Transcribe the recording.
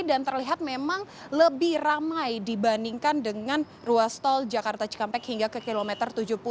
terlihat memang lebih ramai dibandingkan dengan ruas tol jakarta cikampek hingga ke kilometer tujuh puluh